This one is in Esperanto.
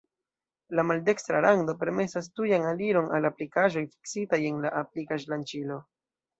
La maldekstra rando permesas tujan aliron al aplikaĵoj fiksitaj en la aplikaĵ-lanĉilo.